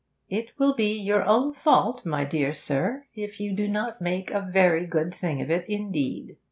'It will be your own fault, my dear sir, if you do not make a very good thing of it indeed.